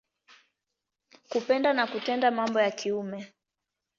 Kupenda na kutenda mambo ya kiume.